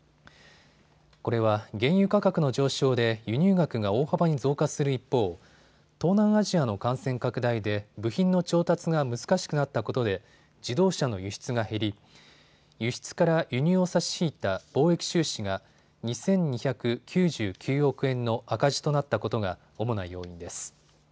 これは原油価格の上昇で輸入額が大幅に増加する一方、東南アジアの感染拡大で部品の調達が難しくなったことで自動車の輸出が減り輸出から輸入を差し引いた貿易収支が２２９９億円の赤字となったことが主な要因です。